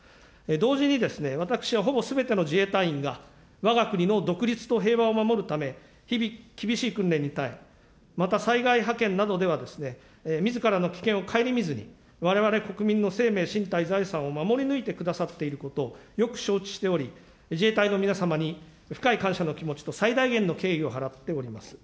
同時にですね、私はほぼすべての自衛隊員が、わが国の独立と平和を守るため、日々、厳しい訓練に耐え、また災害派遣などではみずからの危険を顧みずに、われわれ国民の生命、身体、財産を守り抜いてくださっていることをよく承知しており、自衛隊の皆様に深い感謝の気持ちと最大限の敬意を払っております。